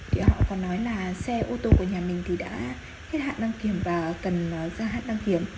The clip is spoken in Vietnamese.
họ có nói là xe ô tô của nhà mình đã hết hạn đăng kiểm và cần ra hạn đăng kiểm